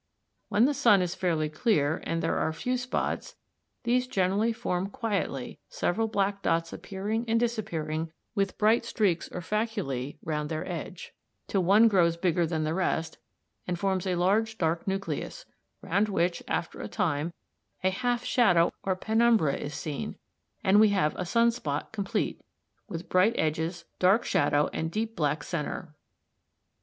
When the sun is fairly clear and there are few spots, these generally form quietly, several black dots appearing and disappearing with bright streaks or faculæ round their edge, till one grows bigger than the rest, and forms a large dark nucleus, round which, after a time, a half shadow or penumbra is seen and we have a sun spot complete, with bright edges, dark shadow, and deep black centre (Fig.